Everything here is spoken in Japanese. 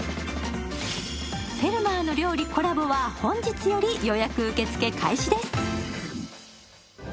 「フェルマーの料理」コラボは本日より予約受け付け開始です。